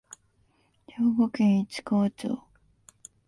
兵庫県市川町